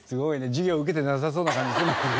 授業受けてなさそうな感じするもんね。